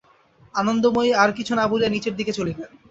আনন্দময়ী আর কিছু না বলিয়া নীচের দিকে চলিলেন।